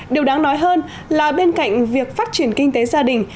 điều đáng nói hơn là bên cạnh việc phát triển kinh tế gia đình